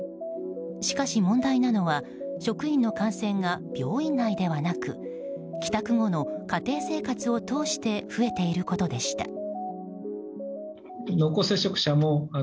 しかし問題なのは職員の感染が病院内ではなく帰宅後の家庭生活を通して増えていることでした。